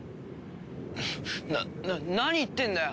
えなっな何言ってんだよ。